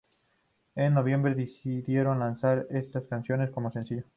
En noviembre decidieron lanzar una de estas canciones como sencillo.